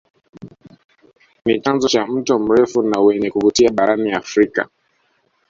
Ni chanzo cha mto mrefu na wenye kuvutia barani Afrika